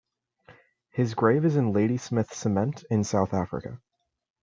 His grave is in Ladysmith Cement in South Africa.